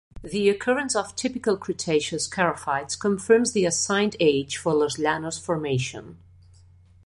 The occurrence of typical Cretaceous charophytes confirms the assigned age for Los Llanos Formation.